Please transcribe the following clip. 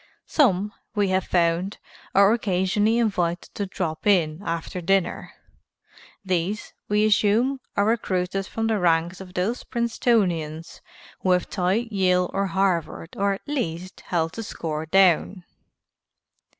Some, we have found, are occasionally invited to drop in after dinner. These, we assume, are recruited from the ranks of those Princetonians who have tied Yale or Harvard or at least held the score down.